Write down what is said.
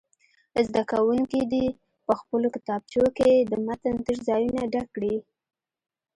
زده کوونکي دې په خپلو کتابچو کې د متن تش ځایونه ډک کړي.